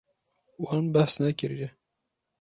Wan behs nekiriye.